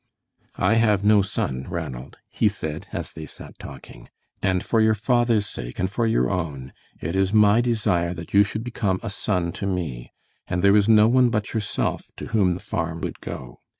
"I have no son, Ranald," he said, as they sat talking; "and, for your father's sake and for your own, it is my desire that you should become a son to me, and there is no one but yourself to whom the farm would go.